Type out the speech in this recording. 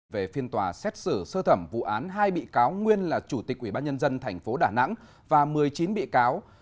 về phiên tòa xét xử sơ thẩm vụ án hai bị cáo nguyên là chủ tịch ubnd tp đà nẵng và một mươi chín bị cáo